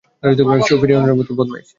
সেও ফিওরনেরের মতই বদমাশ।